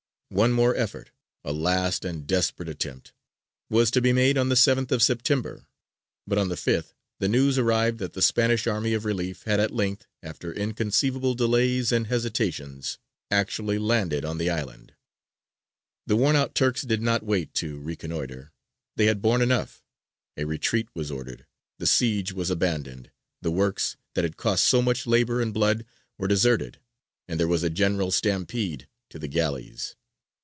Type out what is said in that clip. One more effort a last and desperate attempt was to be made on the 7th of September; but on the 5th the news arrived that the Spanish army of relief had at length, after inconceivable delays and hesitations, actually landed on the island. The worn out Turks did not wait to reconnoitre, they had borne enough: a retreat was ordered, the siege was abandoned, the works that had cost so much labour and blood were deserted, and there was a general stampede to the galleys.